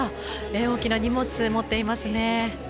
大きな荷物を持っていますね。